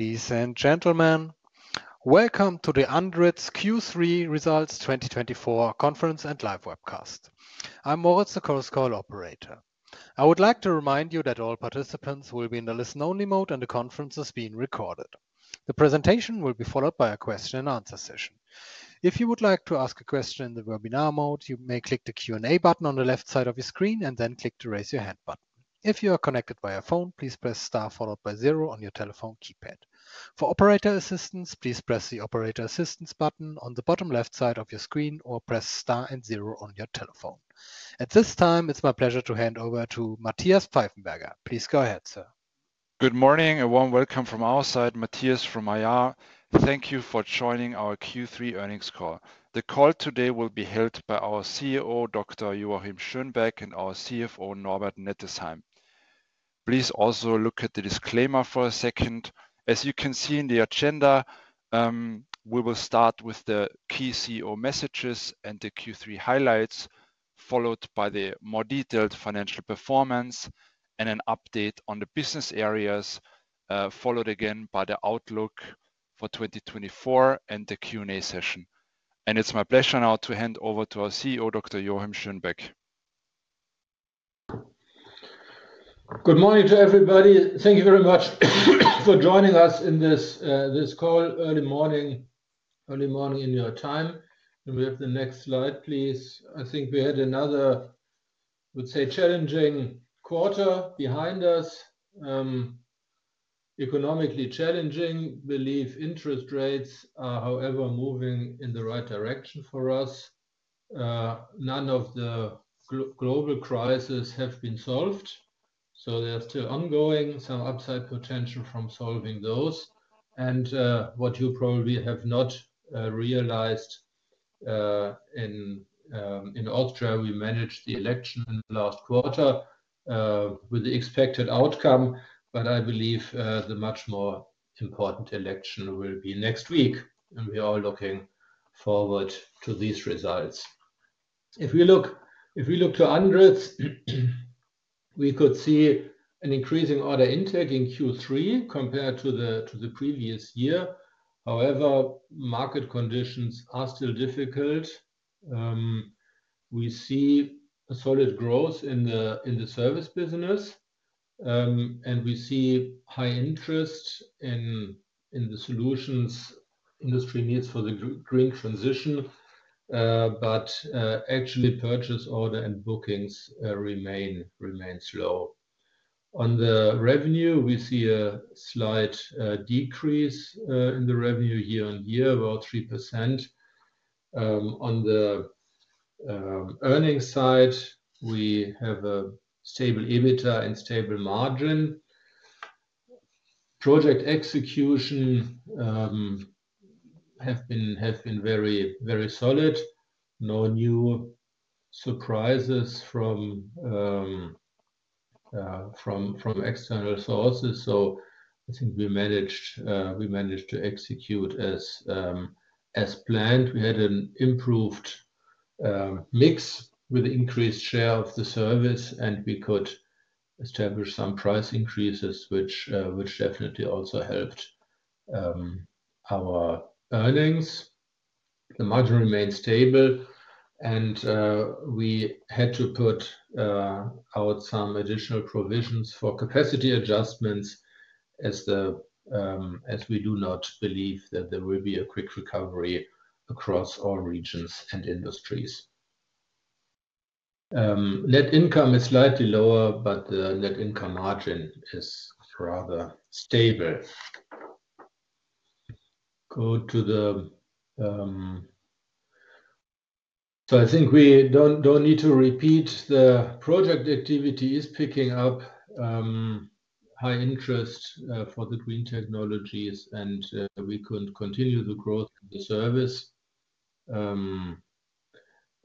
Ladies and gentlemen, welcome to the ANDRITZ Q3 Results 2024 Conference and Live Webcast. I'm Moritz, the Chorus Call operator. I would like to remind you that all participants will be in the listen-only mode, and the conference is being recorded. The presentation will be followed by a question-and-answer session. If you would like to ask a question in the webinar mode, you may click the Q&A button on the left side of your screen and then click the Raise Your Hand button. If you are connected via phone, please press star followed by zero on your telephone keypad. For operator assistance, please press the Operator Assistance button on the bottom left side of your screen or press star and zero on your telephone. At this time, it's my pleasure to hand over to Matthias Pfeifenberger. Please go ahead, sir. Good morning and warm welcome from our side, Matthias from IR. Thank you for joining our Q3 earnings call. The call today will be held by our CEO, Dr. Joachim Schönbeck, and our CFO, Norbert Nettesheim. Please also look at the disclaimer for a second. As you can see in the agenda, we will start with the key CEO messages and the Q3 highlights, followed by the more detailed financial performance and an update on the business areas, followed again by the outlook for 2024 and the Q&A session, and it's my pleasure now to hand over to our CEO, Dr. Joachim Schönbeck. Good morning to everybody. Thank you very much for joining us in this call, early morning, early morning in your time. We have the next slide, please. I think we had another, I would say, challenging quarter behind us, economically challenging. But interest rates are, however, moving in the right direction for us. None of the global crises have been solved, so they are still ongoing. Some upside potential from solving those. What you probably have not realized, in Austria, we managed the election last quarter with the expected outcome, but I believe the much more important election will be next week. We are all looking forward to these results. If we look to ANDRITZ, we could see an increasing order intake in Q3 compared to the previous year. However, market conditions are still difficult. We see solid growth in the service business, and we see high interest in the solutions industry needs for the green transition, but actually purchase order and bookings remain slow. On the revenue, we see a slight decrease in the revenue year on year, about 3%. On the earnings side, we have a stable EBITDA and stable margin. Project execution has been very solid. No new surprises from external sources. So I think we managed to execute as planned. We had an improved mix with an increased share of the service, and we could establish some price increases, which definitely also helped our earnings. The margin remained stable, and we had to put out some additional provisions for capacity adjustments as we do not believe that there will be a quick recovery across all regions and industries. Net income is slightly lower, but the net income margin is rather stable. So I think we don't need to repeat. The project activity is picking up high interest for the green technologies, and we could continue the growth of the service.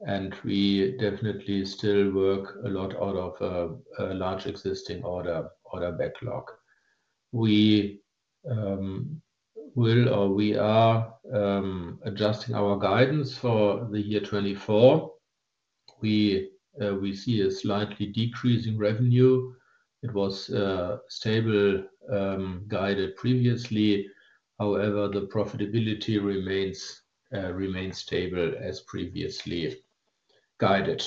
And we definitely still work a lot out of a large existing order backlog. We are adjusting our guidance for the year 2024. We see a slightly decreasing revenue. It was stable, guided previously. However, the profitability remains stable as previously guided.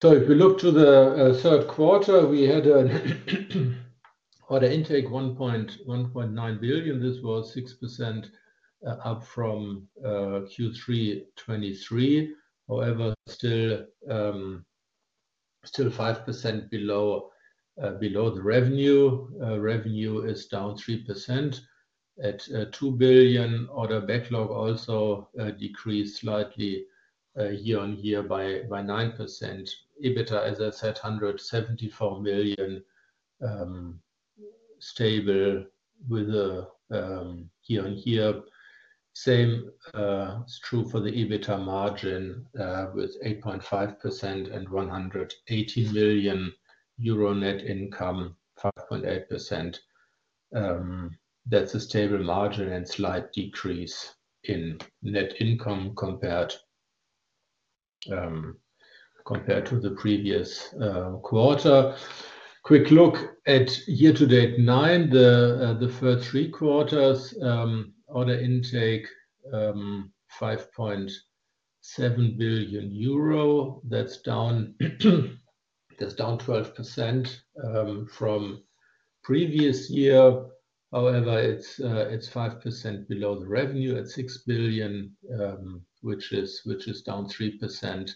So if we look to the third quarter, we had an order intake of 1.9 billion. This was 6% up from Q3 2023. However, still 5% below the revenue. Revenue is down 3% at 2 billion. Order backlog also decreased slightly year on year by 9%. EBITDA, as I said, 174 million, stable year on year. Same is true for the EBITDA margin with 8.5% and 118 million euro net income, 5.8%. That's a stable margin and slight decrease in net income compared to the previous quarter. Quick look at year to date nine, the first three quarters, order intake 5.7 billion euro. That's down 12% from previous year. However, it's 5% below the revenue at 6 billion, which is down 3%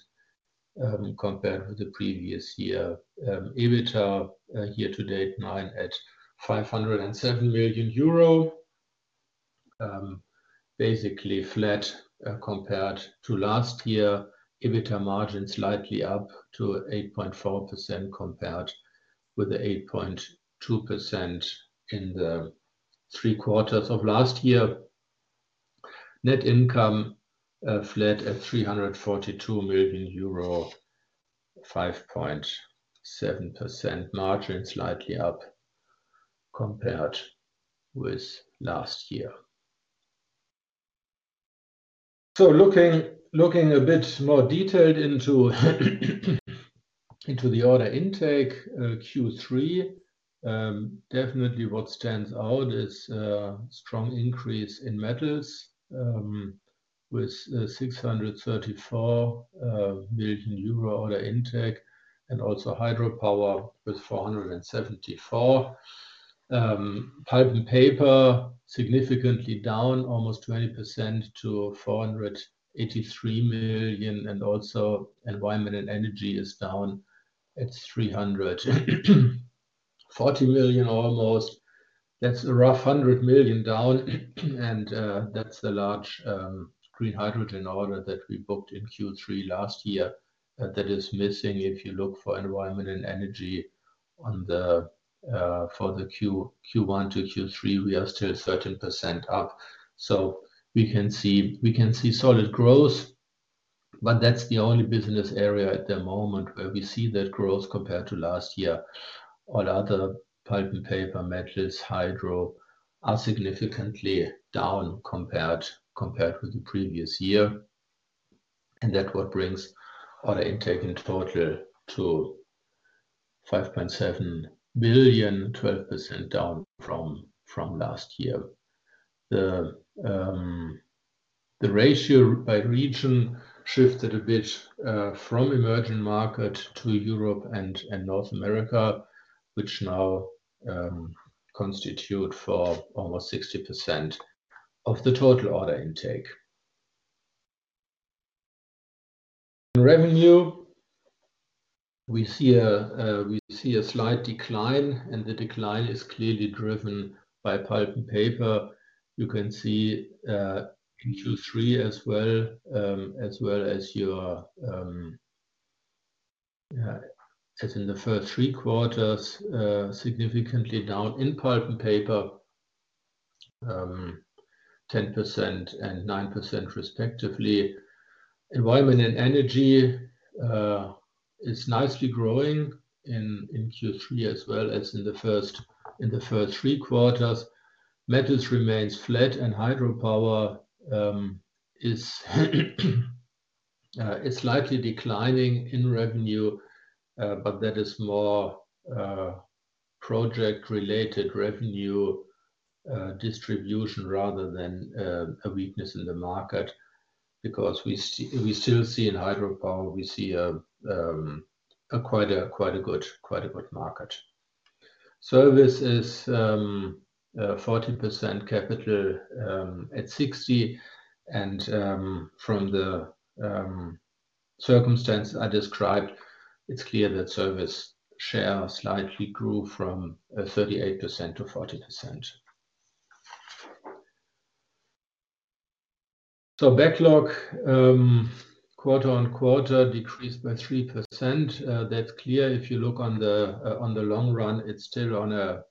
compared with the previous year. EBITDA year to date nine at 507 million euro, basically flat compared to last year. EBITDA margin slightly up to 8.4% compared with the 8.2% in the three quarters of last year. Net income flat at 342 million euro, 5.7% margin, slightly up compared with last year. So looking a bit more detailed into the order intake Q3, definitely what stands out is a strong increase in Metals with 634 million euro order intake and also Hydropower with 474 million. Pulp and Paper significantly down, almost 20% to 483 million. Environment and Energy is down at 340 million almost. That's a rough 100 million down. And that's the large green hydrogen order that we booked in Q3 last year that is missing. If you look for Environment and Energy for the Q1 to Q3, we are still a certain percent up. So we can see solid growth, but that's the only business area at the moment where we see that growth compared to last year. All other Pulp and Paper, Metals, Hydropower are significantly down compared with the previous year. And that's what brings order intake in total to 5.7 billion, 12% down from last year. The ratio by region shifted a bit from emerging market to Europe and North America, which now constitute for almost 60% of the total order intake. In revenue, we see a slight decline, and the decline is clearly driven by Pulp and Paper. You can see in Q3 as well, as well as in the first three quarters, significantly down in Pulp and Paper, 10% and 9% respectively. Environment and Energy is nicely growing in Q3 as well as in the first three quarters. Metals remains flat, and Hydropower is slightly declining in revenue, but that is more project-related revenue distribution rather than a weakness in the market because we still see in Hydropower, we see quite a good market. Service is 40%, capital at 60, and from the circumstance I described, it's clear that service share slightly grew from 38% to 40%, so backlog quarter on quarter decreased by 3%. That's clear. If you look on the long run, it's still on a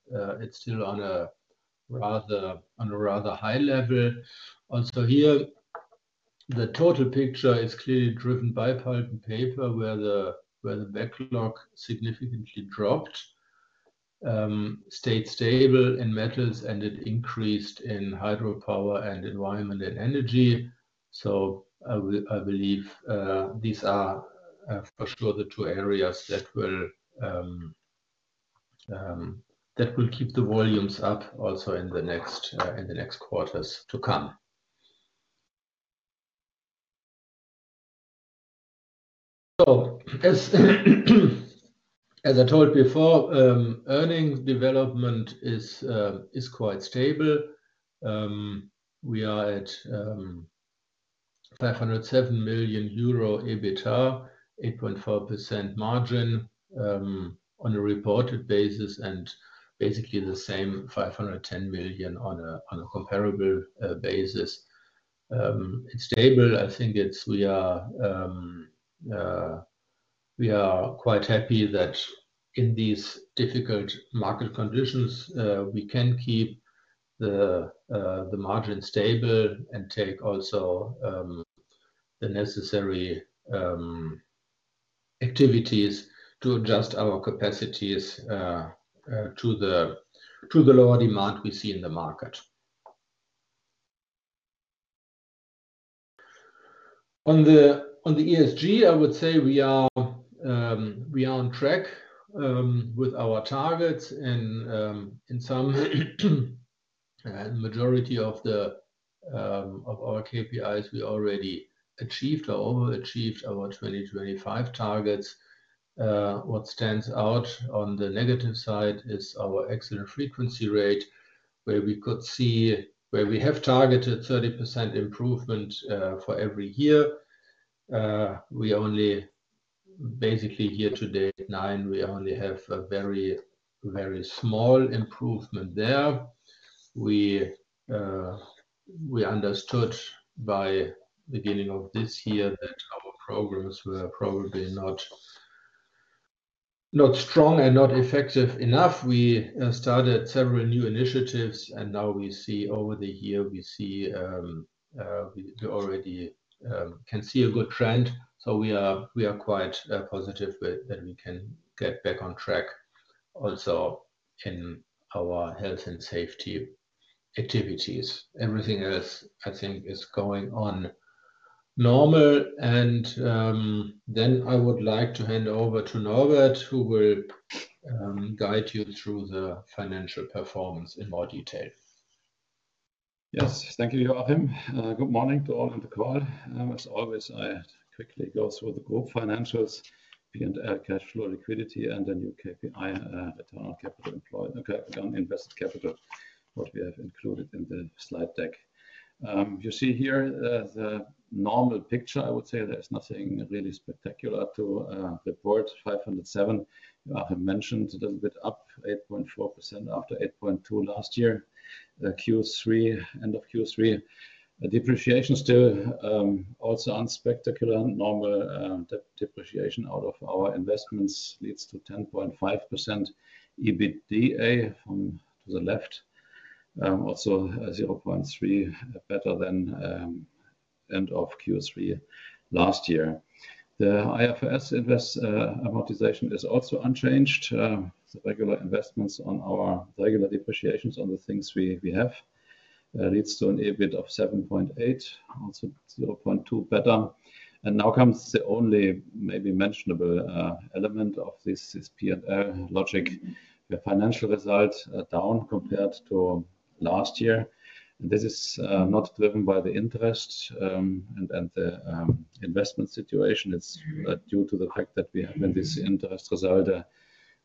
rather high level. Also here, the total picture is clearly driven by Pulp and Paper, where the backlog significantly dropped, stayed stable in Metals, and it increased in Hydropower and Environment and Energy. So I believe these are for sure the two areas that will keep the volumes up also in the next quarters to come. So as I told before, earnings development is quite stable. We are at 507 million euro EBITDA, 8.4% margin on a reported basis, and basically the same 510 million on a comparable basis. It's stable. I think we are quite happy that in these difficult market conditions, we can keep the margin stable and take also the necessary activities to adjust our capacities to the lower demand we see in the market. On the ESG, I would say we are on track with our targets. And in some majority of our KPIs, we already achieved or overachieved our 2025 targets. What stands out on the negative side is our accident frequency rate, where we could see we have targeted 30% improvement for every year. Basically year to date nine, we only have a very, very small improvement there. We understood by the beginning of this year that our programs were probably not strong and not effective enough. We started several new initiatives, and now we see over the year we already can see a good trend. So we are quite positive that we can get back on track also in our health and safety activities. Everything else, I think, is going on normal. And then I would like to hand over to Norbert, who will guide you through the financial performance in more detail. Yes, thank you, Joachim. Good morning to all in the call. As always, I quickly go through the group financials, beyond cash flow, liquidity, and the new KPI, return on invested capital, what we have included in the slide deck. You see here the normal picture, I would say. There's nothing really spectacular to report. 507 million, Joachim mentioned, a little bit up, 8.4% after 8.2% last year, end of Q3. Depreciation still also unspectacular. Normal depreciation out of our investments leads to 10.5% EBITDA to the left, also 0.3, better than end of Q3 last year. The IFRS amortization is also unchanged. The regular investments on our regular depreciations on the things we have leads to an EBIT of 7.8%, also 0.2 better. And now comes the only maybe mentionable element of this P&L logic. The financial result down compared to last year. This is not driven by the interest and the investment situation. It's due to the fact that we have this interest result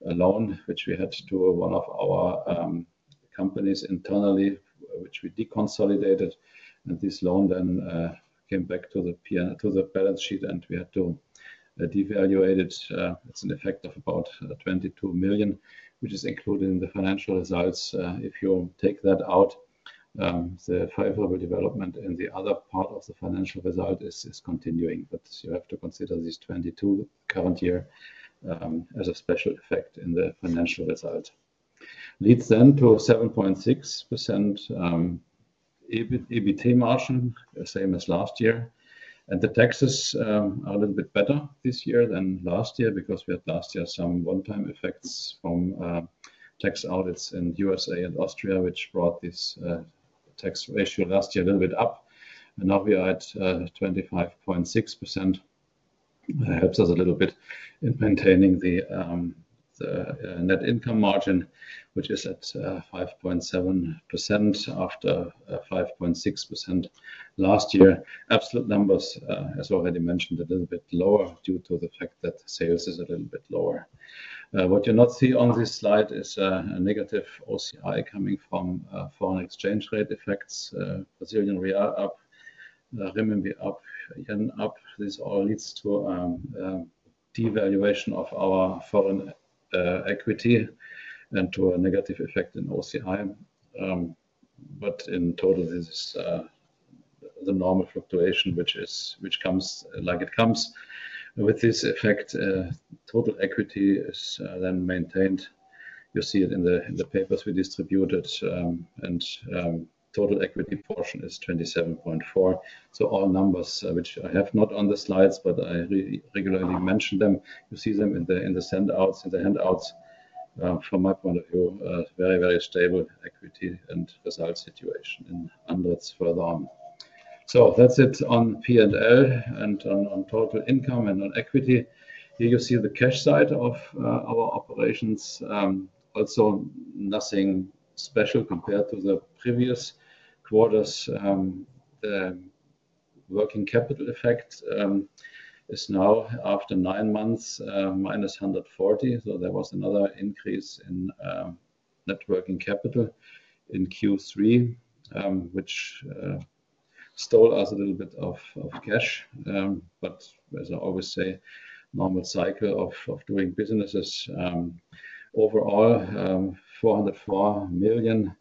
alone, which we had to do one of our companies internally, which we deconsolidated. And this loan then came back to the balance sheet, and we had to devalue it. It's an effect of about 22 million, which is included in the financial results. If you take that out, the favorable development in the other part of the financial result is continuing. But you have to consider these 22 million current year as a special effect in the financial result. Leads then to 7.6% EBITDA margin, same as last year. And the taxes are a little bit better this year than last year because we had last year some one-time effects from tax audits in USA and Austria, which brought this tax ratio last year a little bit up. And now we are at 25.6%. Helps us a little bit in maintaining the net income margin, which is at 5.7% after 5.6% last year. Absolute numbers, as already mentioned, a little bit lower due to the fact that sales is a little bit lower. What you'll not see on this slide is a negative OCI coming from foreign exchange rate effects. Brazilian real up, renminbi up, yen up. This all leads to devaluation of our foreign equity and to a negative effect in OCI. But in total, this is the normal fluctuation, which comes like it comes. With this effect, total equity is then maintained. You see it in the papers we distributed. And total equity portion is 27.4%. So all numbers, which I have not on the slides, but I regularly mention them, you see them in the handouts. From my point of view, very, very stable equity and result situation in ANDRITZ further on. So that's it on P&L and on total income and on equity. Here you see the cash side of our operations. Also nothing special compared to the previous quarters. The working capital effect is now after nine months, minus 140 million. So there was another increase in working capital in Q3, which stole us a little bit of cash. But as I always say, normal cycle of doing businesses. Overall, 404 million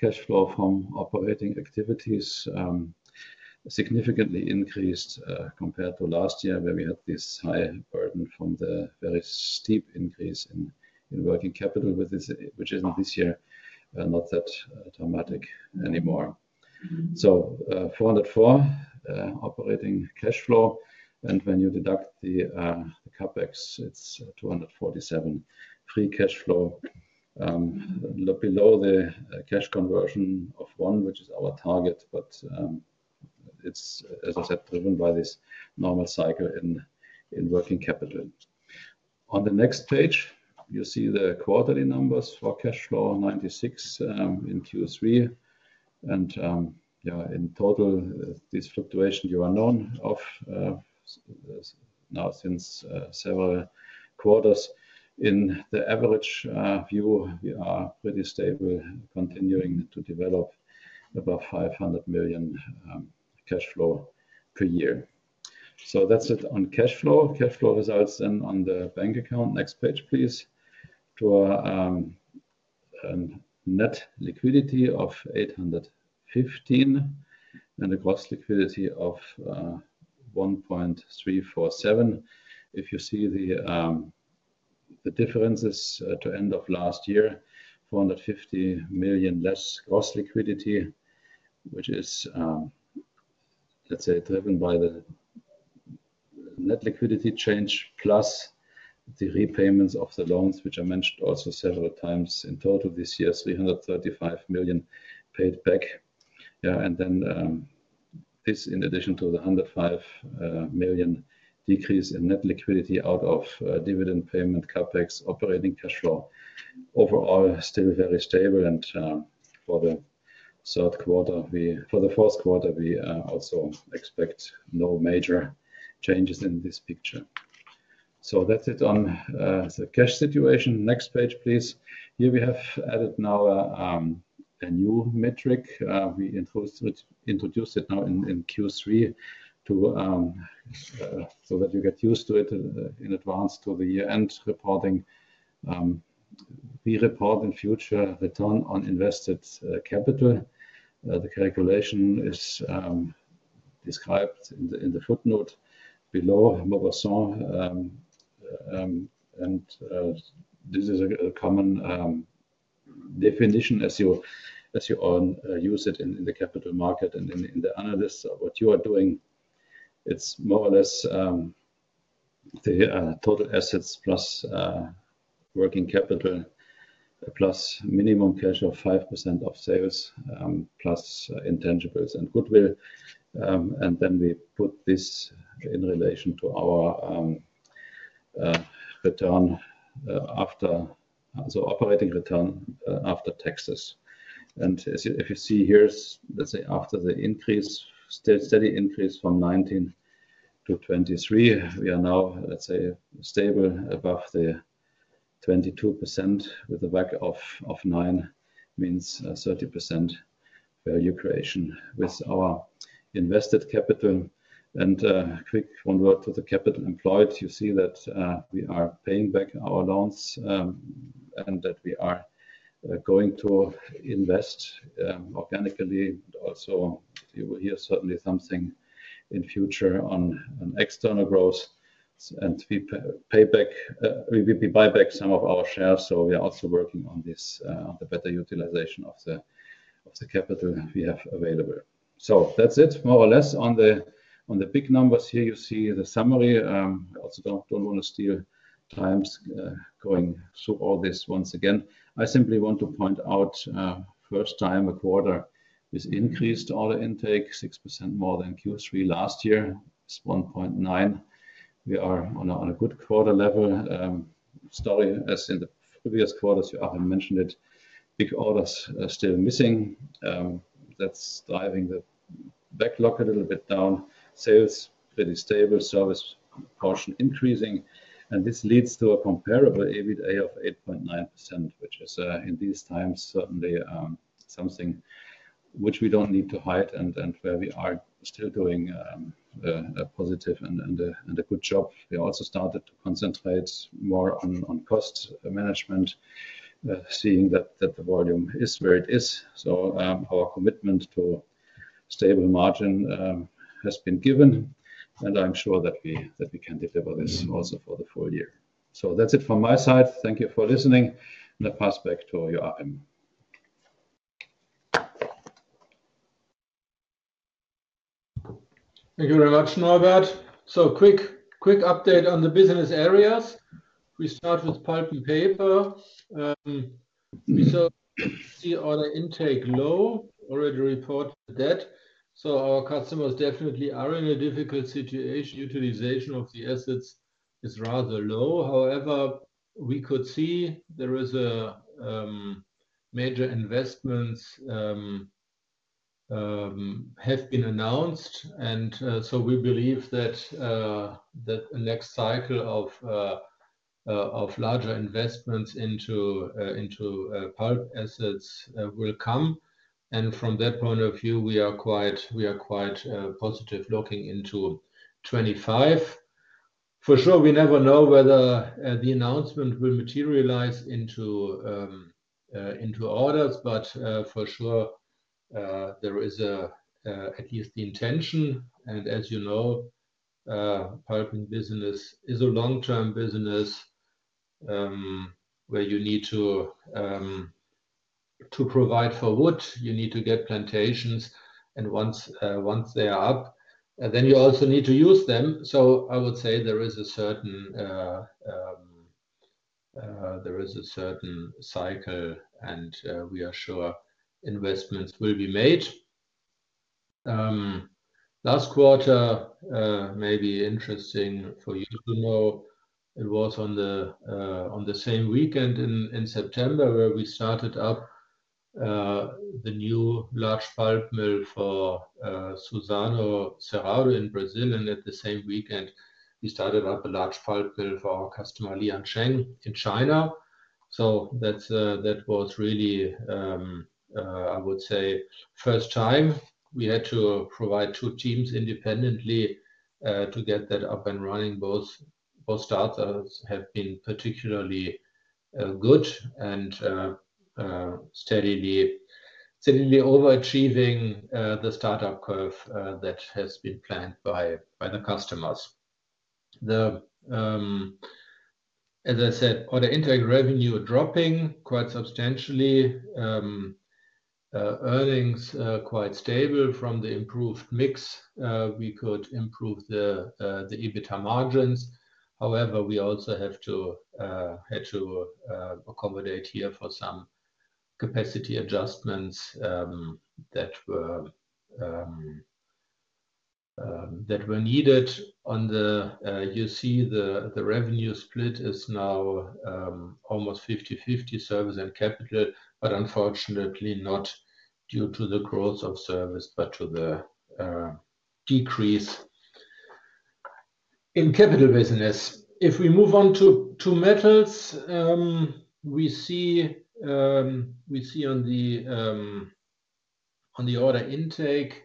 cash flow from operating activities significantly increased compared to last year where we had this high burden from the very steep increase in working capital, which isn't this year not that dramatic anymore. So 404 million operating cash flow. When you deduct the CapEx, it's 247 million free cash flow, below the cash conversion of one, which is our target. But it's, as I said, driven by this normal cycle in working capital. On the next page, you see the quarterly numbers for cash flow, 96 million in Q3. In total, this fluctuation you know of now since several quarters. In the average view, we are pretty stable, continuing to deliver about 500 million cash flow per year. So that's it on cash flow. Cash flow results then on the bank account. Next page, please. To a net liquidity of 815 million and a gross liquidity of 1.347 billion. If you see the differences to end of last year, 450 million less gross liquidity, which is, let's say, driven by the net liquidity change plus the repayments of the loans, which I mentioned also several times in total this year, 335 million paid back, and then this, in addition to the 105 million decrease in net liquidity out of dividend payment, CapEx, operating cash flow. Overall, still very stable, and for the fourth quarter, we also expect no major changes in this picture, so that's it on the cash situation. Next page, please. Here we have added now a new metric. We introduced it now in Q3 so that you get used to it in advance to the year-end reporting. We report in future return on invested capital. The calculation is described in the footnote below. This is a common definition as you use it in the capital market and in the analysts of what you are doing. It's more or less the total assets plus working capital plus minimum cash of 5% of sales plus intangibles and goodwill. Then we put this in relation to our return after, so operating return after taxes. If you see here, let's say after the increase, steady increase from 2019 to 2023, we are now, let's say, stable above the 22% with a WACC of 9% means 30% value creation with our invested capital. Quick one word to the capital employed. You see that we are paying back our loans and that we are going to invest organically. You will hear certainly something in future on external growth. We buy back some of our shares. So we are also working on the better utilization of the capital we have available. So that's it, more or less. On the big numbers here, you see the summary. I also don't want to steal time going through all this once again. I simply want to point out first time a quarter is increased order intake, 6% more than Q3 last year, is 1.9 billion. We are on a good quarter level. Story, as in the previous quarters, Joachim mentioned it, big orders still missing. That's driving the backlog a little bit down. Sales pretty stable, service portion increasing. And this leads to a comparable EBITDA of 8.9%, which is in these times certainly something which we don't need to hide. And where we are still doing a positive and a good job. We also started to concentrate more on cost management, seeing that the volume is where it is. So our commitment to stable margin has been given. And I'm sure that we can deliver this also for the full year. So that's it from my side. Thank you for listening. And I pass back to Joachim. Thank you very much, Norbert. So, quick update on the business areas. We start with Pulp and Paper. We see order intake low, already reported that. So, our customers definitely are in a difficult situation. Utilization of the assets is rather low. However, we could see there is a major investment has been announced. And so, we believe that the next cycle of larger investments into pulp assets will come. And from that point of view, we are quite positive looking into 2025. For sure, we never know whether the announcement will materialize into orders. But for sure, there is at least the intention. And as you know, pulping business is a long-term business where you need to provide for wood. You need to get plantations. And once they are up, then you also need to use them. So I would say there is a certain cycle, and we are sure investments will be made. Last quarter, maybe interesting for you to know, it was on the same weekend in September where we started up the new large pulp mill for Suzano Cerrado in Brazil. And at the same weekend, we started up a large pulp mill for our customer Liansheng in China. So that was really, I would say, first time we had to provide two teams independently to get that up and running. Both startups have been particularly good and steadily overachieving the startup curve that has been planned by the customers. As I said, order intake revenue dropping quite substantially. Earnings quite stable from the improved mix. We could improve the EBITDA margins. However, we also had to accommodate here for some capacity adjustments that were needed on the. You see the revenue split is now almost 50-50 service and capital, but unfortunately not due to the growth of service, but to the decrease in capital business. If we move on to Metals, we see on the order intake,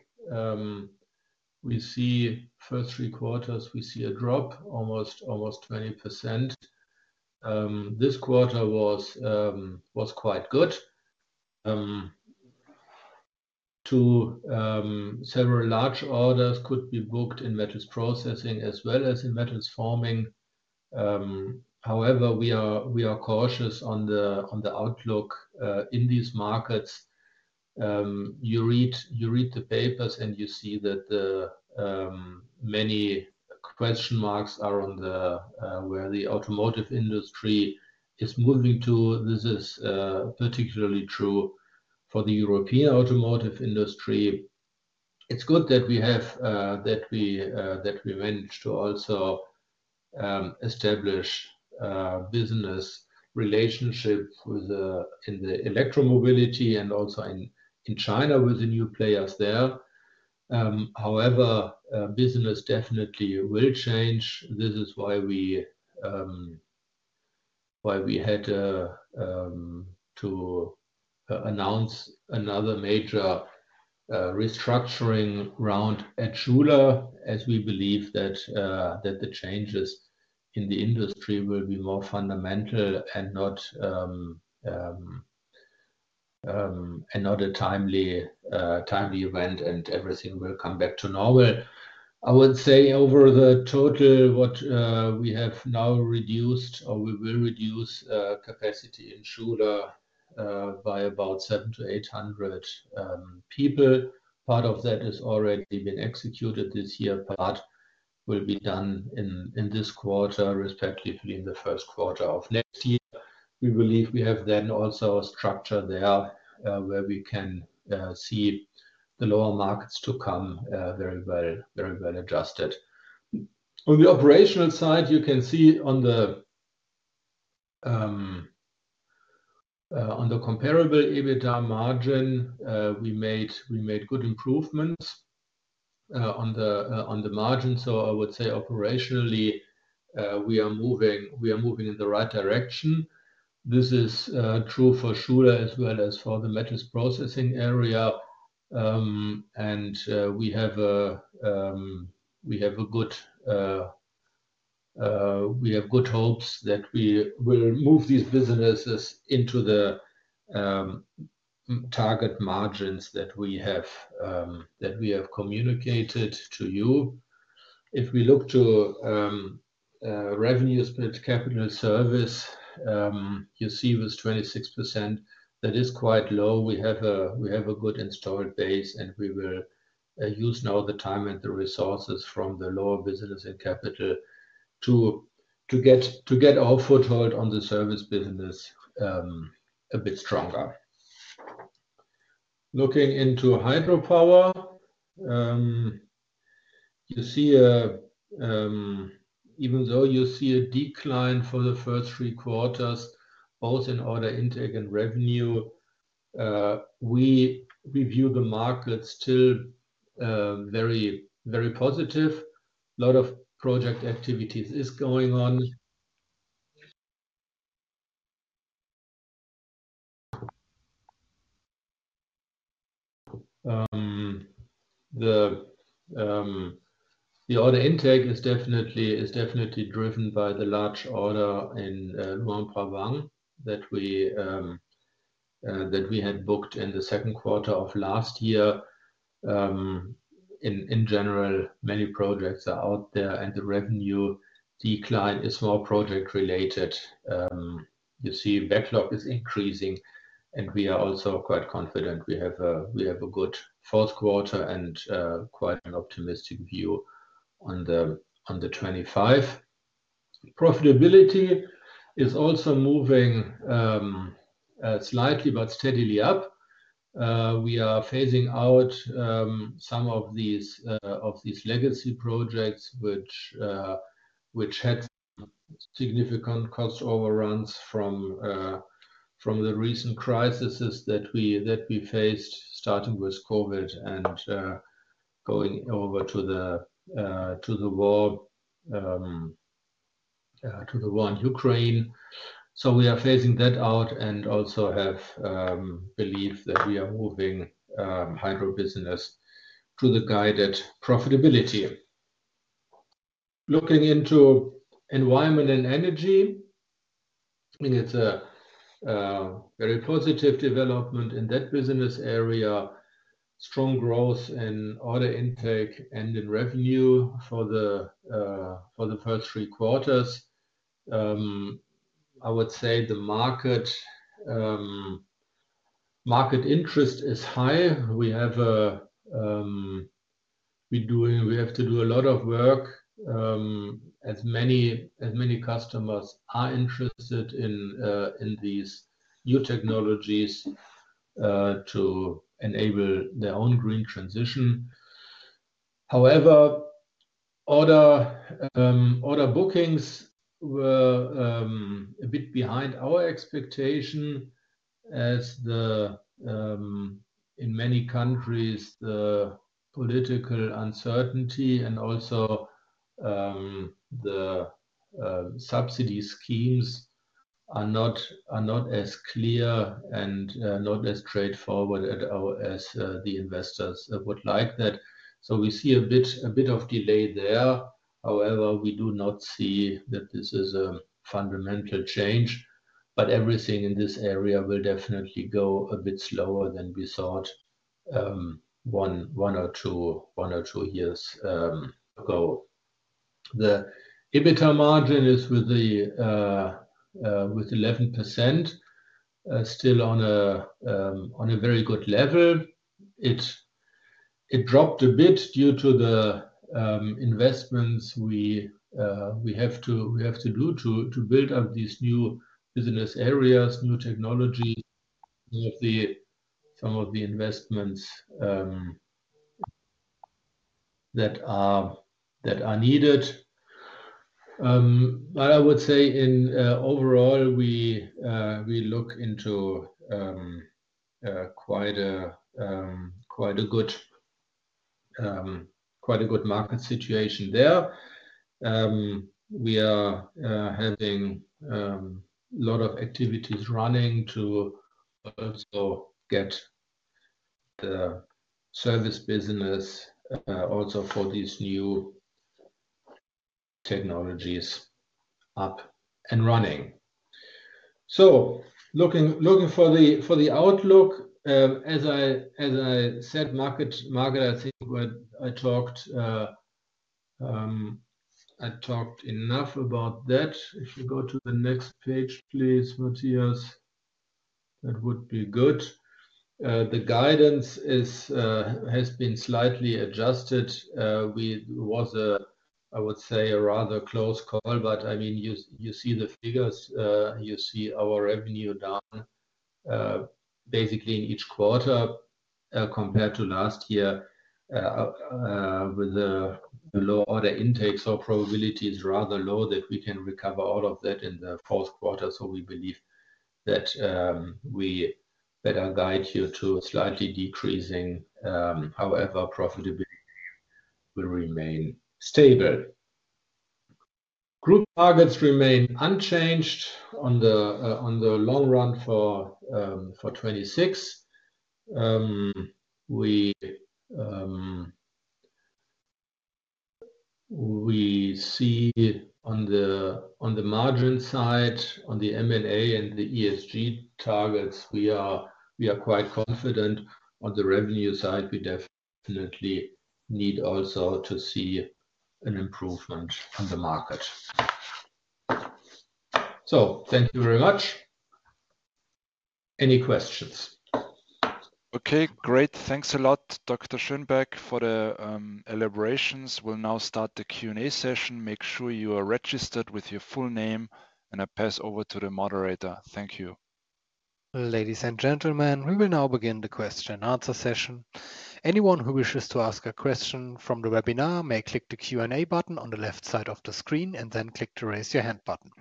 we see first three quarters, we see a drop almost 20%. This quarter was quite good. Several large orders could be booked in Metals Processing as well as in Metals Forming. However, we are cautious on the outlook in these markets. You read the papers and you see that many question marks are on where the automotive industry is moving to. This is particularly true for the European automotive industry. It's good that we managed to also establish business relationships in the electromobility and also in China with the new players there. However, business definitely will change. This is why we had to announce another major restructuring round at Schuler, as we believe that the changes in the industry will be more fundamental and not a timely event and everything will come back to normal. I would say over the total, what we have now reduced or we will reduce capacity in Schuler by about 700-800 people. Part of that has already been executed this year, but will be done in this quarter, respectively in the first quarter of next year. We believe we have then also a structure there where we can see the lower markets to come very well adjusted. On the operational side, you can see on the comparable EBITDA margin, we made good improvements on the margin. So I would say operationally, we are moving in the right direction. This is true for Schuler as well as for the Metals Processing area. And we have a good hope that we will move these businesses into the target margins that we have communicated to you. If we look to revenue split capital service, you see with 26%, that is quite low. We have a good installed base and we will use now the time and the resources from the lower business in capital to get our foothold on the service business a bit stronger. Looking into Hydropower, even though you see a decline for the first three quarters, both in order intake and revenue, we view the markets still very positive. A lot of project activities is going on. The order intake is definitely driven by the large order in Luang Prabang that we had booked in the second quarter of last year. In general, many projects are out there and the revenue decline is more project-related. You see, backlog is increasing and we are also quite confident we have a good fourth quarter and quite an optimistic view on 2025. Profitability is also moving slightly, but steadily up. We are phasing out some of these legacy projects which had significant cost overruns from the recent crises that we faced, starting with COVID and going over to the war in Ukraine. So we are phasing that out and also have believed that we are moving Hydro business to the guided profitability. Looking into Environment and Energy, it's a very positive development in that business area. Strong growth in order intake and in revenue for the first three quarters. I would say the market interest is high. We have to do a lot of work as many customers are interested in these new technologies to enable their own green transition. However, order bookings were a bit behind our expectation as in many countries, the political uncertainty and also the subsidy schemes are not as clear and not as straightforward as the investors would like that, so we see a bit of delay there. However, we do not see that this is a fundamental change, but everything in this area will definitely go a bit slower than we thought one or two years ago. The EBITDA margin is with 11%, still on a very good level. It dropped a bit due to the investments we have to do to build up these new business areas, new technologies, some of the investments that are needed, but I would say overall, we look into quite a good market situation there. We are having a lot of activities running to also get the service business also for these new technologies up and running. So looking for the outlook, as I said, market, I think I talked enough about that. If you go to the next page, please, Matthias, that would be good. The guidance has been slightly adjusted. It was, I would say, a rather close call, but I mean, you see the figures. You see our revenue down basically in each quarter compared to last year with the low order intake. So probability is rather low that we can recover all of that in the fourth quarter. So we believe that we better guide you to slightly decreasing. However, profitability will remain stable. Group targets remain unchanged on the long run for 2026. We see on the margin side, on the M&A and the ESG targets, we are quite confident. On the revenue side, we definitely need also to see an improvement in the market. So thank you very much. Any questions? Okay. Great. Thanks a lot, Dr. Schönbeck, for the elaborations. We'll now start the Q&A session. Make sure you are registered with your full name, and I'll pass over to the moderator. Thank you. Ladies and gentlemen, we will now begin the question-answer session. Anyone who wishes to ask a question from the webinar may click the Q&A button on the left side of the screen and then click the raise your hand button.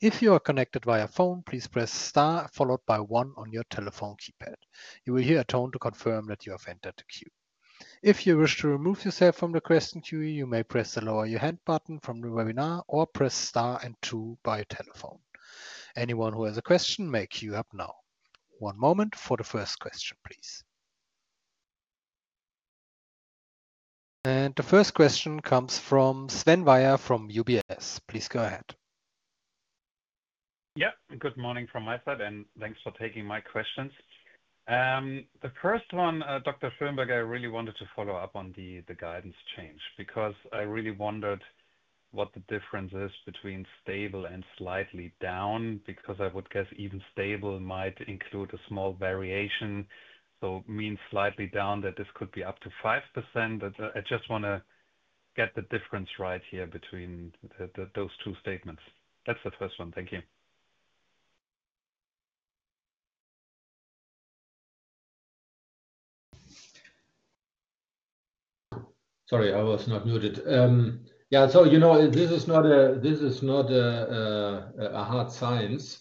If you are connected via phone, please press star followed by one on your telephone keypad. You will hear a tone to confirm that you have entered the queue. If you wish to remove yourself from the question queue, you may press the lower your hand button from the webinar or press star and two by telephone. Anyone who has a question may queue up now. One moment for the first question, please. And the first question comes from Sven Weier from UBS. Please go ahead. Yeah. Good morning from my side, and thanks for taking my questions. The first one, Dr. Schönbeck, I really wanted to follow up on the guidance change because I really wondered what the difference is between stable and slightly down, because I would guess even stable might include a small variation. So mean slightly down, that this could be up to 5%. I just want to get the difference right here between those two statements. That's the first one. Thank you. Sorry, I was not muted. Yeah. So this is not a hard science.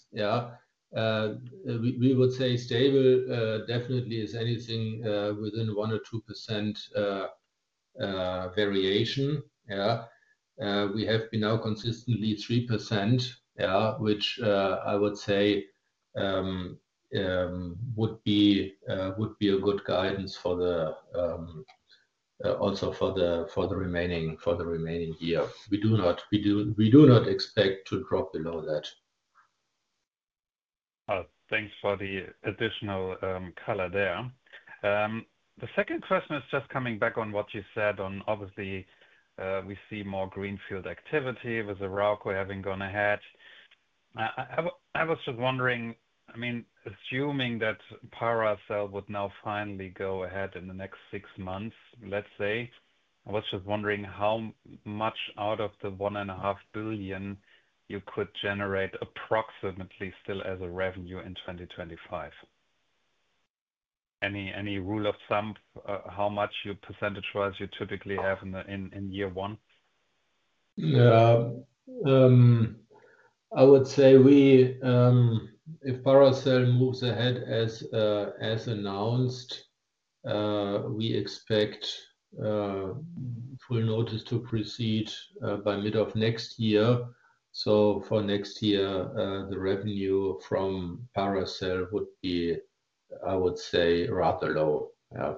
Yeah. We would say stable definitely is anything within 1% or 2% variation. We have been now consistently 3%, which I would say would be a good guidance also for the remaining year. We do not expect to drop below that. Thanks for the additional color there. The second question is just coming back on what you said on obviously we see more greenfield activity with the Arauco having gone ahead. I was just wondering, I mean, assuming that Paracel would now finally go ahead in the next six months, let's say, I was just wondering how much out of the 1.5 billion you could generate approximately still as a revenue in 2025. Any rule of thumb, how much percentage-wise you typically have in year one? Yeah. I would say if Paracel moves ahead as announced, we expect full notice to proceed by mid of next year. So for next year, the revenue from Paracel would be, I would say, rather low. Yeah.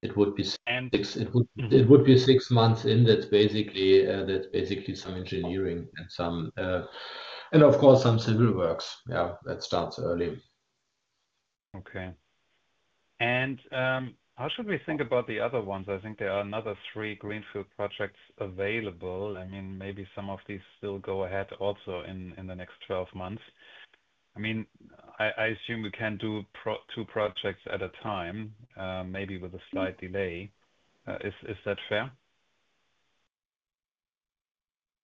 It would be six months in. That's basically some engineering and, of course, some civil works. Yeah. That starts early. Okay. And how should we think about the other ones? I think there are another three greenfield projects available. I mean, maybe some of these still go ahead also in the next 12 months. I mean, I assume we can do two projects at a time, maybe with a slight delay. Is that fair?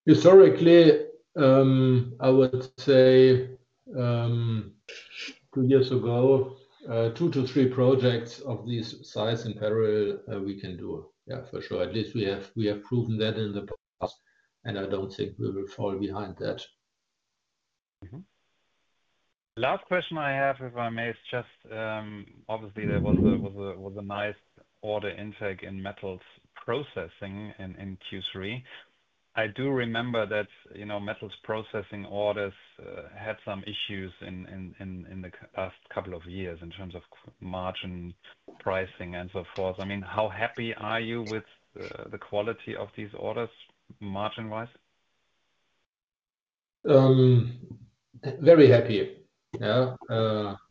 Historically, I would say, two years ago, two to three projects of this size in parallel, we can do. Yeah, for sure. At least we have proven that in the past, and I don't think we will fall behind that. Last question I have, if I may, is just obviously there was a nice order intake in Metals Processing in Q3. I do remember that Metals Processing orders had some issues in the past couple of years in terms of margin pricing and so forth. I mean, how happy are you with the quality of these orders margin-wise? Very happy. Yeah.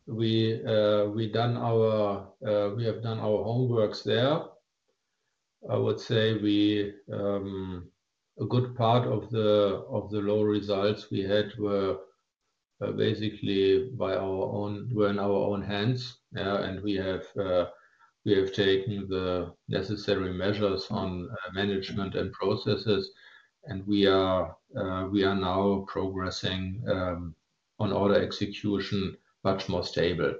We have done our homework there. I would say a good part of the low results we had were basically by our own hands. And we have taken the necessary measures on management and processes, and we are now progressing on order execution much more stable.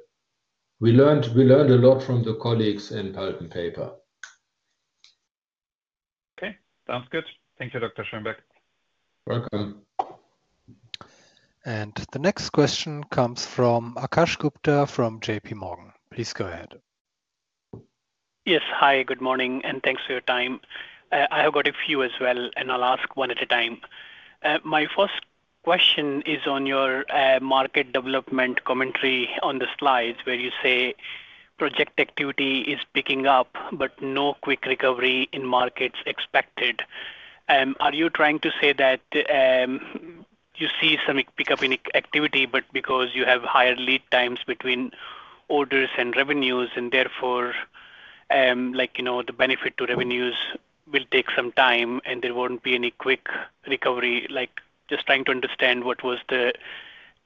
We learned a lot from the colleagues in Pulp and Paper. Okay. Sounds good. Thank you, Dr. Schönbeck. Welcome. And the next question comes from Akash Gupta from J.P. Morgan. Please go ahead. Yes. Hi, good morning, and thanks for your time. I have got a few as well, and I'll ask one at a time. My first question is on your market development commentary on the slides where you say project activity is picking up, but no quick recovery in markets expected. Are you trying to say that you see some pickup in activity, but because you have higher lead times between orders and revenues, and therefore the benefit to revenues will take some time and there won't be any quick recovery? Just trying to understand what was the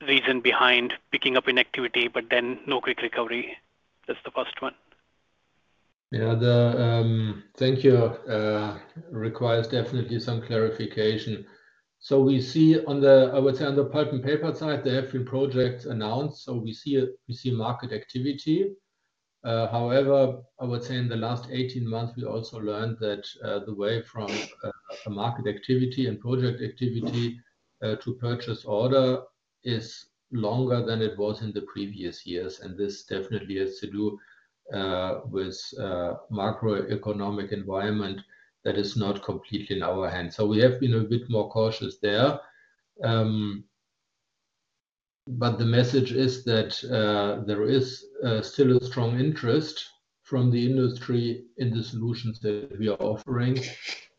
reason behind picking up in activity, but then no quick recovery. That's the first one. Yeah. Thank you. It requires definitely some clarification. So we see, I would say, on the Pulp and Paper side, there have been projects announced. So we see market activity. However, I would say in the last 18 months, we also learned that the way from market activity and project activity to purchase order is longer than it was in the previous years. And this definitely has to do with macroeconomic environment that is not completely in our hands. So we have been a bit more cautious there. But the message is that there is still a strong interest from the industry in the solutions that we are offering.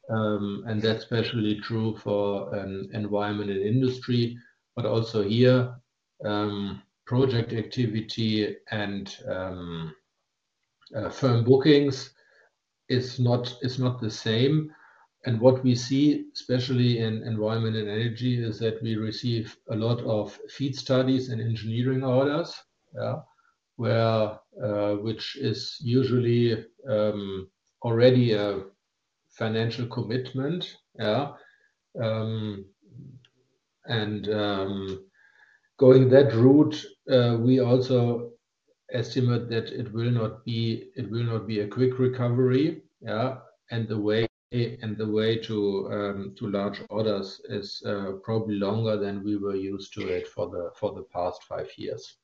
And that's especially true for Environment and Energy, but also here, project activity and firm bookings is not the same. What we see, especially in Environment and Energy, is that we receive a lot of FEED studies and engineering orders, which is usually already a financial commitment. And going that route, we also estimate that it will not be a quick recovery. And the way to large orders is probably longer than we were used to it for the past five years.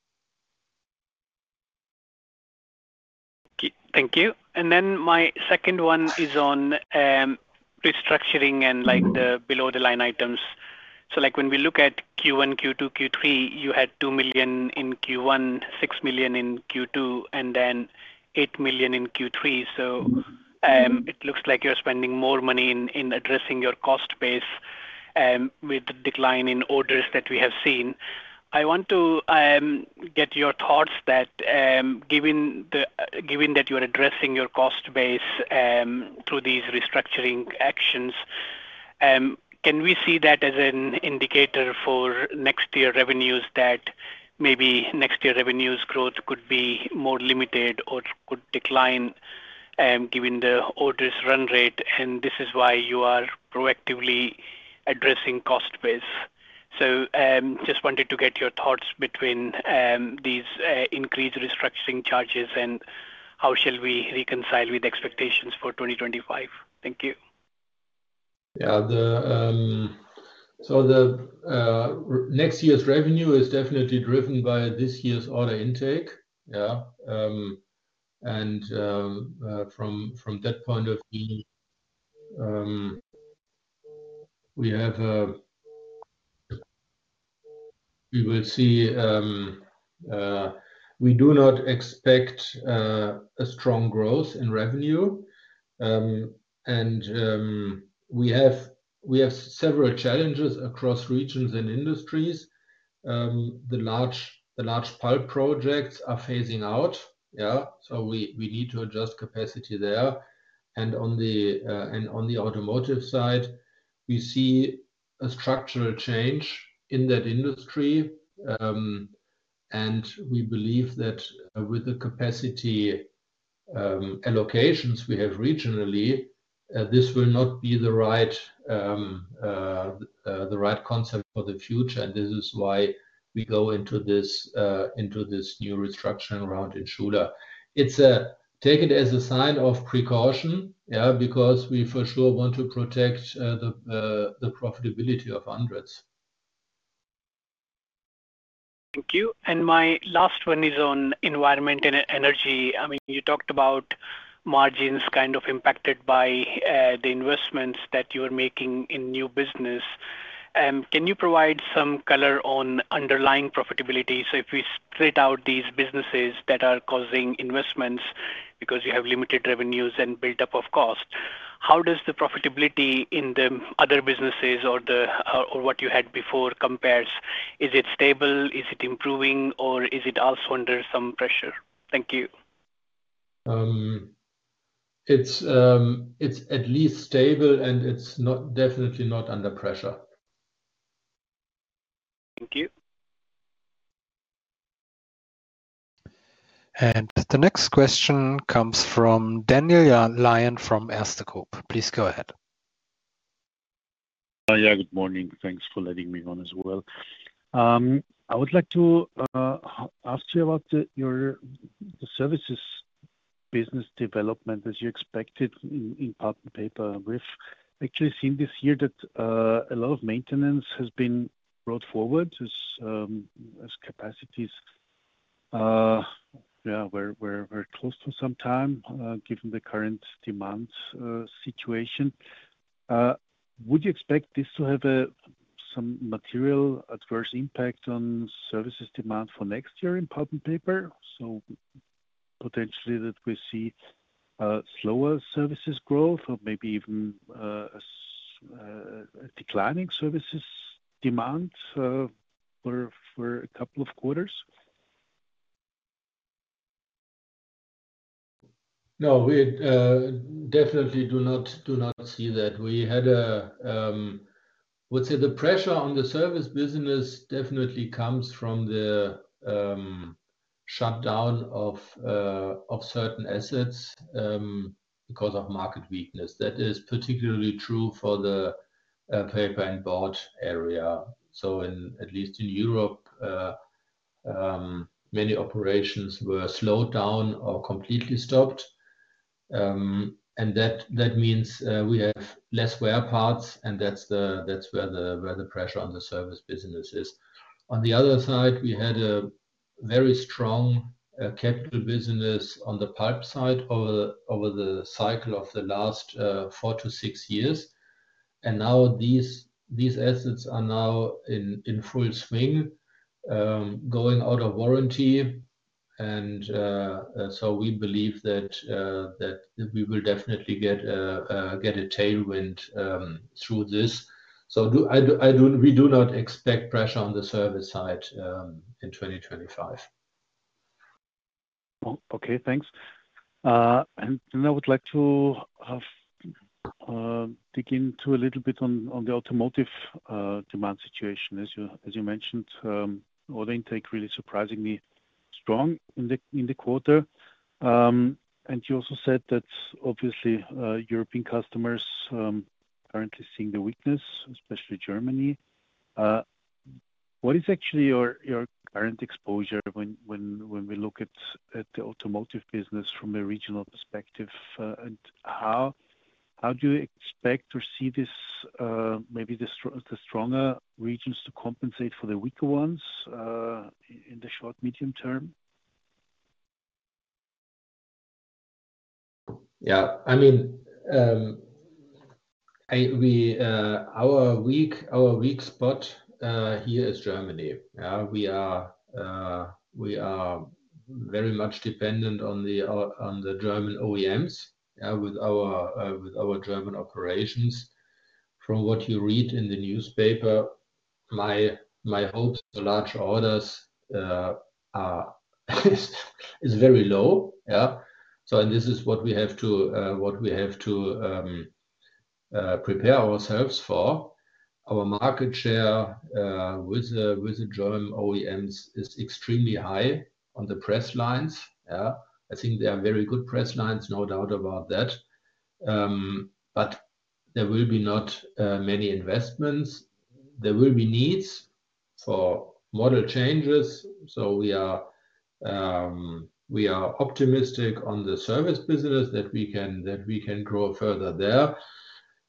Thank you. And then my second one is on restructuring and the below-the-line items. So when we look at Q1, Q2, Q3, you had 2 million in Q1, 6 million in Q2, and then 8 million in Q3. So it looks like you're spending more money in addressing your cost base with the decline in orders that we have seen. I want to get your thoughts that given that you're addressing your cost base through these restructuring actions, can we see that as an indicator for next year revenues that maybe next year revenues growth could be more limited or could decline given the orders run rate? And this is why you are proactively addressing cost base. So just wanted to get your thoughts between these increased restructuring charges and how shall we reconcile with expectations for 2025? Thank you. Yeah. So the next year's revenue is definitely driven by this year's order intake. Yeah. And from that point of view, we will see we do not expect a strong growth in revenue. And we have several challenges across regions and industries. The large pulp projects are phasing out. Yeah. So we need to adjust capacity there. And on the automotive side, we see a structural change in that industry. And we believe that with the capacity allocations we have regionally, this will not be the right concept for the future. And this is why we go into this new restructuring round in Schuler. Take it as a sign of precaution, yeah, because we for sure want to protect the profitability of ANDRITZ. Thank you. And my last one is on Environment and Energy. I mean, you talked about margins kind of impacted by the investments that you are making in new business. Can you provide some color on underlying profitability? So if we split out these businesses that are causing investments because you have limited revenues and build-up of cost, how does the profitability in the other businesses or what you had before compares? Is it stable? Is it improving? Or is it also under some pressure? Thank you. It's at least stable, and it's definitely not under pressure. Thank you. The next question comes from Daniel Lion from Erste Group. Please go ahead. Yeah. Good morning. Thanks for letting me on as well. I would like to ask you about the services business development as you expected in Pulp and Paper. We've actually seen this year that a lot of maintenance has been brought forward as capacities are close to capacity given the current demand situation. Would you expect this to have some material adverse impact on services demand for next year in Pulp and Paper? So potentially that we see slower services growth or maybe even declining services demand for a couple of quarters? No, we definitely do not see that. I would say the pressure on the service business definitely comes from the shutdown of certain assets because of market weakness. That is particularly true for the paper and board area. So at least in Europe, many operations were slowed down or completely stopped. And that means we have less wear parts, and that's where the pressure on the service business is. On the other side, we had a very strong capital business on the pulp side over the cycle of the last four to six years. And now these assets are now in full swing, going out of warranty. And so we believe that we will definitely get a tailwind through this. So we do not expect pressure on the service side in 2025. Okay. Thanks, and I would like to dig into a little bit on the automotive demand situation. As you mentioned, order intake really surprisingly strong in the quarter, and you also said that obviously European customers are currently seeing the weakness, especially Germany. What is actually your current exposure when we look at the automotive business from a regional perspective, and how do you expect or see maybe the stronger regions to compensate for the weaker ones in the short, medium term? Yeah. I mean, our weak spot here is Germany. Yeah. We are very much dependent on the German OEMs with our German operations. From what you read in the newspaper, my hope for large orders is very low. Yeah. And this is what we have to prepare ourselves for. Our market share with the German OEMs is extremely high on the press lines. Yeah. I think they are very good press lines, no doubt about that. But there will be not many investments. There will be needs for model changes. So we are optimistic on the service business that we can grow further there.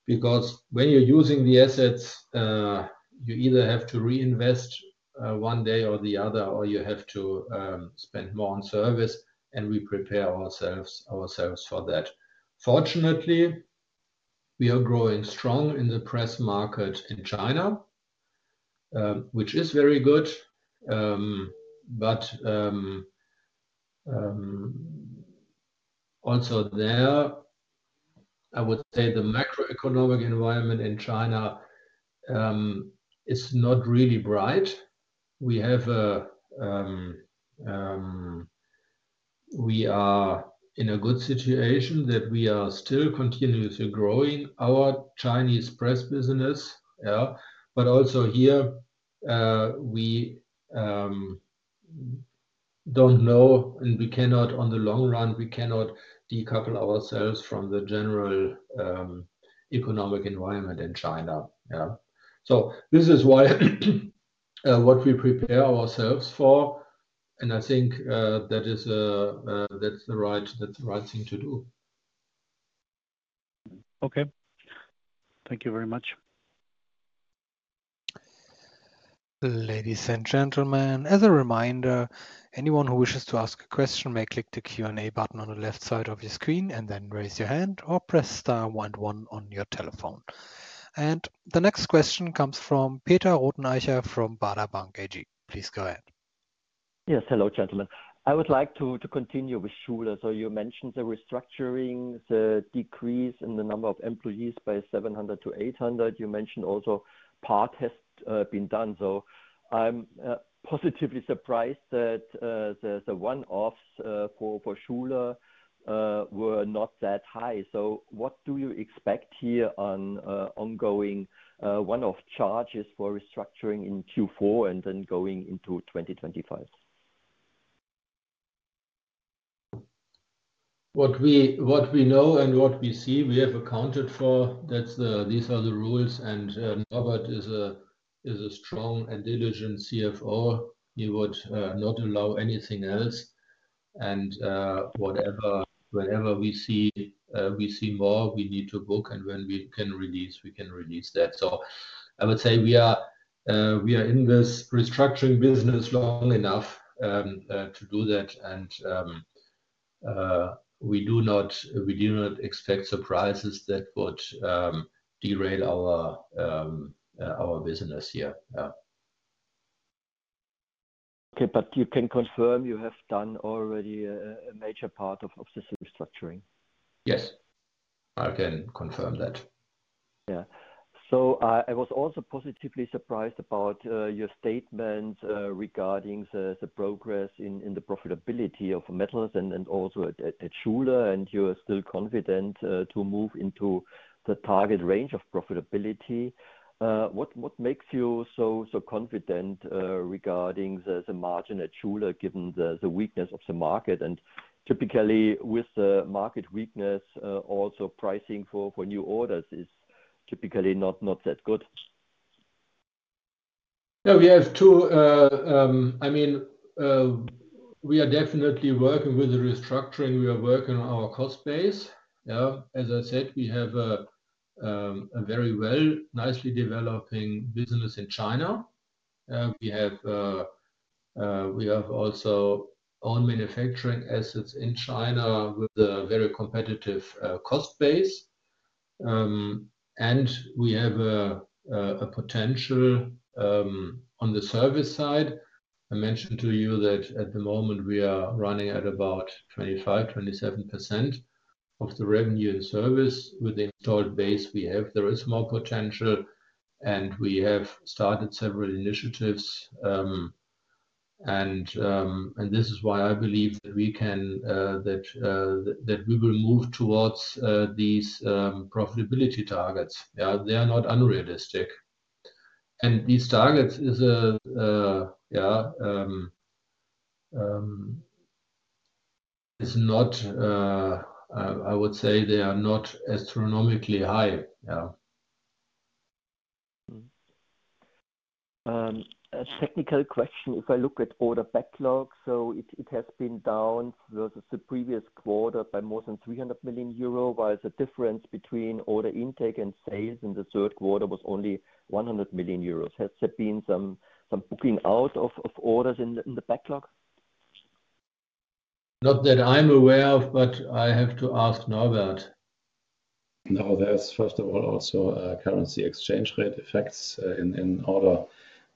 Because when you're using the assets, you either have to reinvest one day or the other, or you have to spend more on service, and we prepare ourselves for that. Fortunately, we are growing strong in the press market in China, which is very good. But also there, I would say the macroeconomic environment in China is not really bright. We are in a good situation that we are still continuously growing our Chinese press business. Yeah. But also here, we don't know, and we cannot on the long run, we cannot decouple ourselves from the general economic environment in China. Yeah. So this is what we prepare ourselves for. And I think that is the right thing to do. Okay. Thank you very much. Ladies and gentlemen, as a reminder, anyone who wishes to ask a question may click the Q&A button on the left side of your screen and then raise your hand or press star one one on your telephone. And the next question comes from Peter Rothenaicher from Baader Bank AG. Please go ahead. Yes. Hello, gentlemen. I would like to continue with Schuler. So you mentioned the restructuring, the decrease in the number of employees by 700-800. You mentioned also part has been done. So I'm positively surprised that the one-offs for Schuler were not that high. So what do you expect here on ongoing one-off charges for restructuring in Q4 and then going into 2025? What we know and what we see, we have accounted for. These are the rules. And Norbert is a strong and diligent CFO. He would not allow anything else. And whenever we see more, we need to book. And when we can release, we can release that. So I would say we are in this restructuring business long enough to do that. And we do not expect surprises that would derail our business here. Yeah. Okay. But you can confirm you have done already a major part of this restructuring? Yes. I can confirm that. Yeah. So I was also positively surprised about your statement regarding the progress in the profitability of Metals and also at Schuler. And you are still confident to move into the target range of profitability. What makes you so confident regarding the margin at Schuler given the weakness of the market? And typically, with the market weakness, also pricing for new orders is typically not that good. Yeah. I mean, we are definitely working with the restructuring. We are working on our cost base. Yeah. As I said, we have a very well nicely developing business in China. We have also own manufacturing assets in China with a very competitive cost base. And we have a potential on the service side. I mentioned to you that at the moment, we are running at about 25%-27% of the revenue in service with the installed base we have. There is more potential. And we have started several initiatives. And this is why I believe that we can that we will move towards these profitability targets. Yeah. They are not unrealistic. And these targets is a yeah, it's not I would say they are not astronomically high. Yeah. A technical question. If I look at order backlog, so it has been down versus the previous quarter by more than 300 million euro, while the difference between order intake and sales in the third quarter was only 100 million euros. Has there been some booking out of orders in the backlog? Not that I'm aware of, but I have to ask Norbert. Norbert, first of all, also currency exchange rate effects in order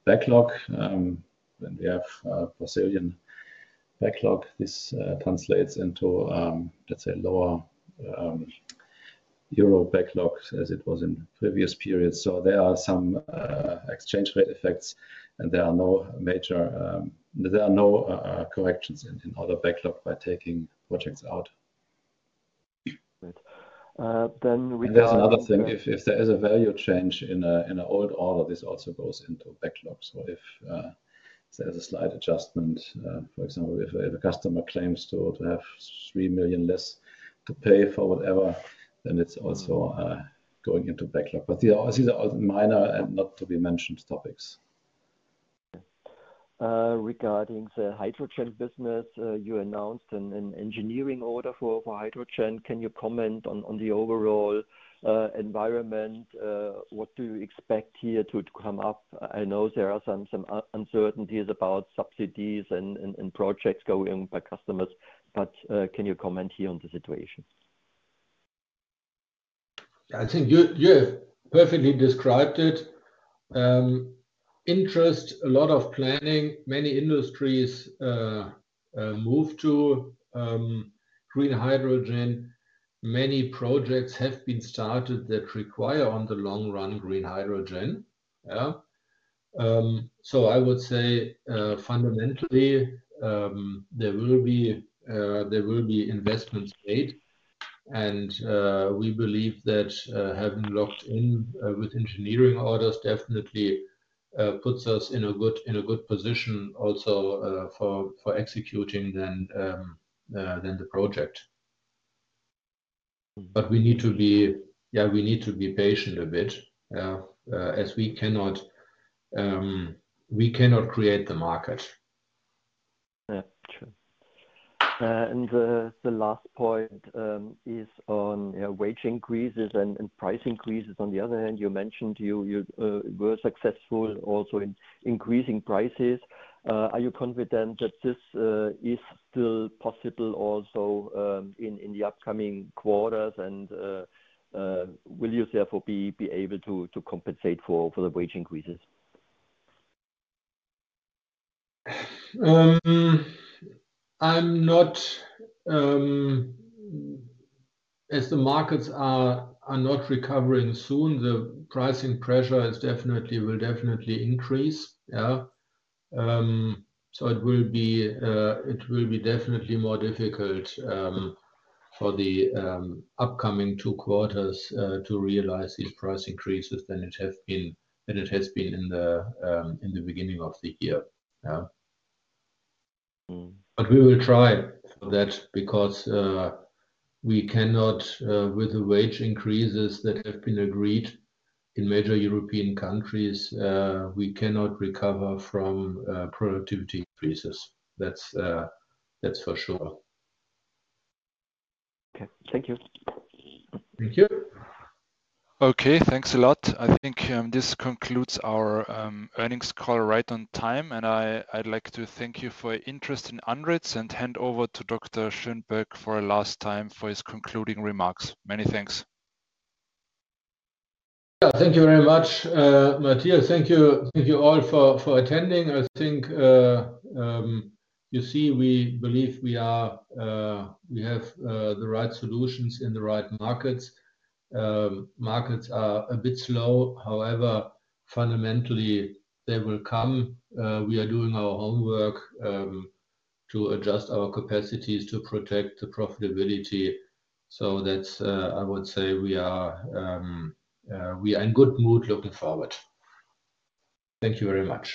backlog. When we have Brazilian backlog, this translates into, let's say, lower euro backlog as it was in previous periods so there are some exchange rate effects, and there are no major corrections in order backlog by taking projects out. Right. Then we can. There's another thing. If there is a value change in an old order, this also goes into backlog. So if there's a slight adjustment, for example, if a customer claims to have 3 million less to pay for whatever, then it's also going into backlog. But these are all minor and not to be mentioned topics. Regarding the hydrogen business, you announced an engineering order for hydrogen. Can you comment on the overall environment? What do you expect here to come up? I know there are some uncertainties about subsidies and projects going by customers. But can you comment here on the situation? I think you have perfectly described it. Interest, a lot of planning, many industries move to green hydrogen. Many projects have been started that require on the long run green hydrogen. Yeah. So I would say fundamentally, there will be investment made. And we believe that having locked in with engineering orders definitely puts us in a good position also for executing then the project. But we need to be, we need to be patient a bit. Yeah. As we cannot create the market. Yeah. True. And the last point is on wage increases and price increases. On the other hand, you mentioned you were successful also in increasing prices. Are you confident that this is still possible also in the upcoming quarters? And will you therefore be able to compensate for the wage increases? I mean, as the markets are not recovering soon, the pricing pressure will definitely increase. Yeah. So it will be definitely more difficult for the upcoming two quarters to realize these price increases than it has been in the beginning of the year. Yeah. But we will try for that because we cannot, with the wage increases that have been agreed in major European countries, recover from productivity increases. That's for sure. Okay. Thank you. Thank you. Okay. Thanks a lot. I think this concludes our earnings call right on time. And I'd like to thank you for your interest in ANDRITZ and hand over to Dr. Schönbeck for a last time for his concluding remarks. Many thanks. Yeah. Thank you very much, Matthias. Thank you all for attending. I think you see we believe we have the right solutions in the right markets. Markets are a bit slow. However, fundamentally, they will come. We are doing our homework to adjust our capacities to protect the profitability. So that's, I would say, we are in good mood looking forward. Thank you very much.